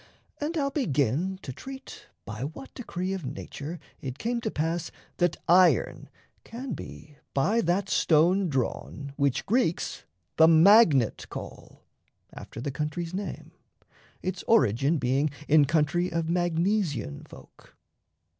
And I'll begin to treat by what decree Of nature it came to pass that iron can be By that stone drawn which Greeks the magnet call After the country's name (its origin Being in country of Magnesian folk).